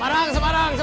anda khusus blanket